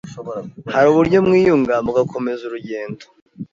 hari uburyo mwiyunga mugakomeza urugendo.